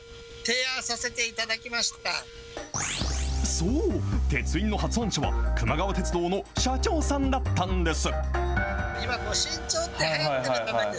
そう、鉄印の発案者は、くま川鉄道の社長さんだったんです。